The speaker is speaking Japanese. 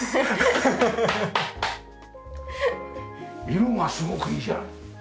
色がすごくいいじゃない。